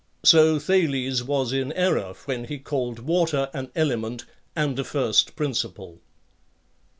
So Thales was in error when he called water an element and a first principle.